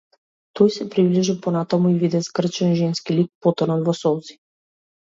Тој се приближи понатаму и виде згрчен женски лик, потонат во солзи.